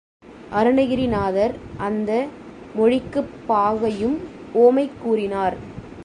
அருணகிரிநாதர் அந்த மொழிக்குப் பாகையும் உவமை கூறினார்.